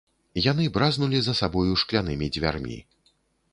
Яны бразнулі за сабою шклянымі дзвярмі.